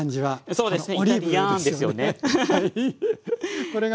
そうですね。